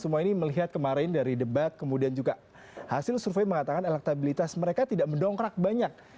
semua ini melihat kemarin dari debat kemudian juga hasil survei mengatakan elektabilitas mereka tidak mendongkrak banyak